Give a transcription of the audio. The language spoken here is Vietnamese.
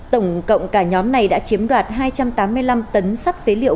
tổng cộng cả nhóm này đã chiếm đoạt hai trăm tám mươi năm tấn sắt phế liệu